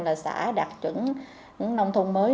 là xã đặt chuẩn nông thôn mới